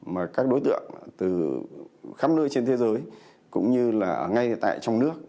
mà các đối tượng từ khắp nơi trên thế giới cũng như là ngay tại trong nước